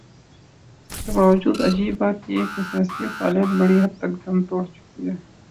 اس کے باوجود عجیب بات یہ ہے کہ سیاسی فعالیت بڑی حد تک دم توڑ چکی ہے۔